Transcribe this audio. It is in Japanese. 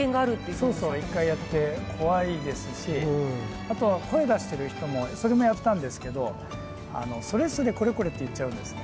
そうそう１回やって怖いですしあとは声出してる人もそれもやったんですけどそれそれこれこれって言っちゃうんですね。